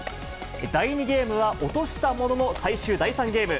第２ゲームは落としたものの、最終第３ゲーム。